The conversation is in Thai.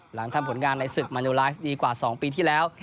หลังทำผลงานในศึกมาโนไลฟ์ดีกว่า๒ปีที่แล้ว